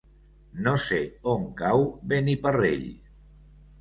No sé on cau Beniparrell.